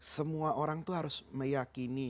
semua orang itu harus meyakini